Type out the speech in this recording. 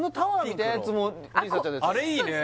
あのあれいいね